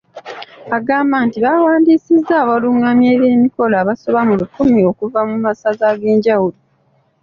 Agamba nti bawandiisizza abalung’amya b’emikolo abasoba mu lukumi okuva mu Masaza ag’enjawulo